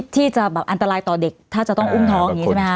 ที่จะแบบอันตรายต่อเด็กถ้าจะต้องอุ้มท้องอย่างนี้ใช่ไหมคะ